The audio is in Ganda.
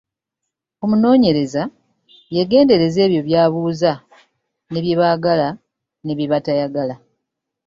Omunoonyereza yeegendereze ebyo b’abuuza bye baagala ne bye batayagala.